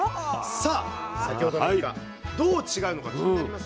さあ先ほどのイカどう違うのか気になりますよね？